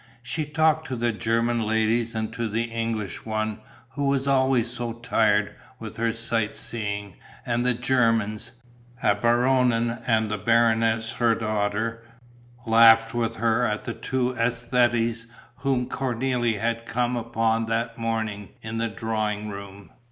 She talked to the German ladies and to the English one, who was always so tired with her sight seeing; and the Germans, a Baronin and the Baronesse her daughter, laughed with her at the two æsthetes whom Cornélie had come upon that morning in the drawing room.